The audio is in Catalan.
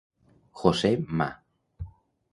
José Ma.